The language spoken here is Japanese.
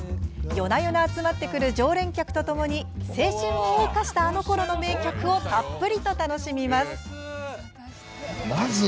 夜な夜な集まってくる常連客とともに青春をおう歌した、あのころの名曲をたっぷりと楽しみます。